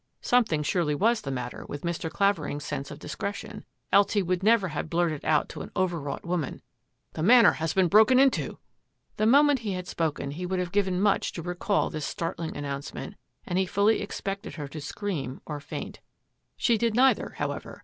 " Something surely was the matter with Mr. Clavering's sense of discretion, else he would never have blurted out to an overwrought woman, " The Manor has been broken into !" The moment he had spoken he would have given much to recall this startling announcement, and he fully expected her to scream or faint. She did 77 78 THAT AFFAIR AT THE MANOR neither, however.